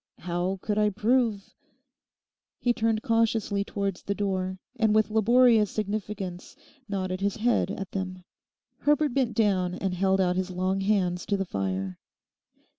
How could I prove...?' He turned cautiously towards the door, and with laborious significance nodded his head at them. Herbert bent down and held out his long hands to the fire.